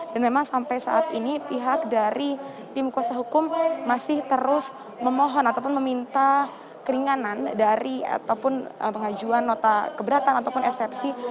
dan memang sampai saat ini pihak dari tim kuasa hukum masih terus memohon ataupun meminta keringanan dari ataupun pengajuan nota keberatan ataupun eksepsi